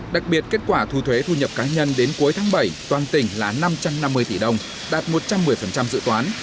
đặc biệt kết quả thu thuế thu nhập cá nhân đến cuối tháng bảy toàn tỉnh là năm trăm năm mươi tỷ đồng đạt một trăm một mươi dự toán